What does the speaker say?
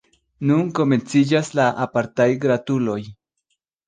Nun komenciĝas la apartaj gratuloj.